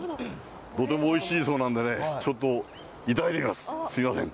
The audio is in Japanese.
とてもおいしいそうなんでね、ちょっと頂いてみます、すみません。